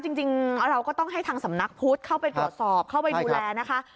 จริงเราก็ต้องให้ทางสำนักพุทธเข้าไปตรวจสอบเข้าไปดูแลนะคะ